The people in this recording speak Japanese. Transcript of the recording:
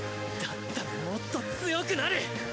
だったらもっと強くなる！